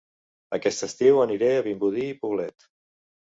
Aquest estiu aniré a Vimbodí i Poblet